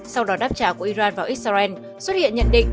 sau đó đáp trả của iran vào israel xuất hiện nhận định